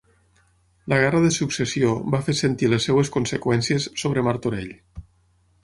La Guerra de Successió va fer sentir les seves conseqüències sobre Martorell.